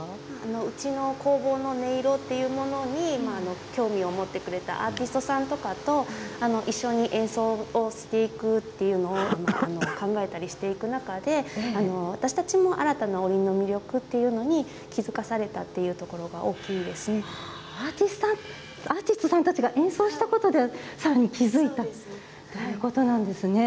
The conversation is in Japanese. うちの工房の音色というものに興味を持ってくれたアーティストさんと一緒に演奏していくというのを考えたりしていく中で私たちも新たなおりんの魅力というものに気付かされたアーティストさんたちが演奏したことで気付いたということなんですね。